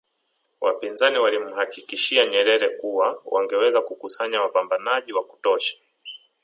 Wapinzani walimhakikishia Nyerere kuwa wangeweza kukusanya wapambanaji wa kutosha